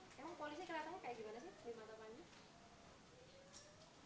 bagaimana sih gimana panji